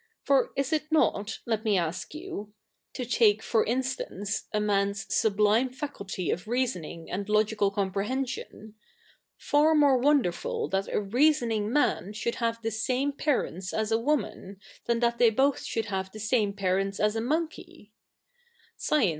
For is it not, let me ask you — to take, for instance, a fnan^s sub lime faculty of reasoning a?id logical co7nprehe?ision—far mo? e wonderful that a j'easoni^ig ma?i should have the same pa?'ents as a wojnan, than that they both should have th^ same parents as a fnonkey '{ Science a?